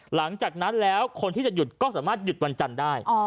หลังจากนั้นแล้วคนที่จะหยุดก็สามารถหยุดวันจันทร์ได้